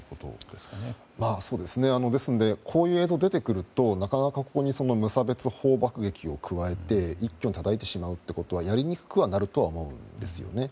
ですのでこういう映像が出てくるとなかなか、ここに無差別爆撃を加えて一挙にたたいてしまうということはやりにくくはなると思うんですよね。